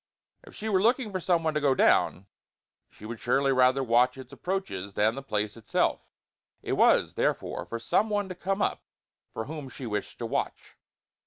If she were looking for some one to go down, she would surely rather watch its approaches than the place itself. It was, therefore, for some one to come up for whom she wished to watch.